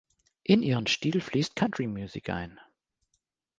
In ihren Stil fließt Country-Musik ein.